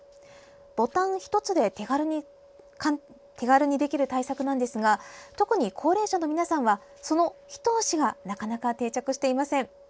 ボタン１つで手軽にできる対策なんですが特に高齢者の皆さんはその、ひと押しがなかなか定着していません。